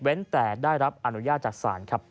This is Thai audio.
เว้นแต่ได้รับอนุญาตจักรสารครับ